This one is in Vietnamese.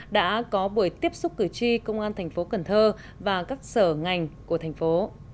đã có buổi tiếp xúc cử tri công an thành phố cần thơ và các sở ngành của thành phố